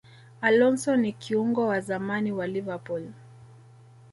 alonso ni kiungo wa zamani wa liverpool